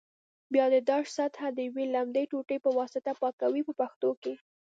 بیا د داش سطحه د یوې لمدې ټوټې په واسطه پاکوي په پښتو کې.